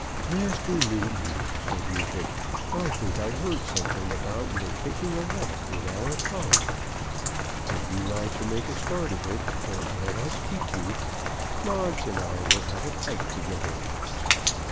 "Mr. Newton," said Neefit, "I think I heard something about your taking a walk with our Polly. If you like to make a start of it, don't let us keep you. Moggs and I will have a pipe together."